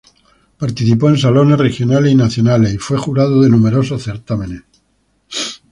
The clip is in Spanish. Participó en salones regionales y nacionales, y fue jurado de numerosos certámenes.